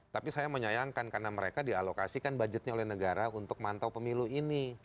tapi saya menyayangkan karena mereka dialokasikan budgetnya oleh negara untuk mantau pemilu ini